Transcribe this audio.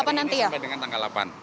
tanggal ini sampai dengan tanggal delapan